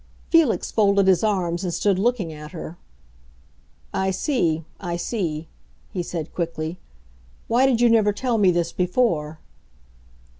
Felix folded his arms and stood looking at her. "I see—I see," he said quickly. "Why did you never tell me this before?"